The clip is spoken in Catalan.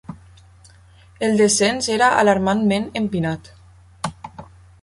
El descens era alarmantment empinat.